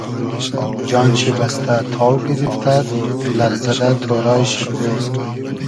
جان شی بئستۂ تاو گیریفتئد لئرزۂ دۂ تۉرای شی بود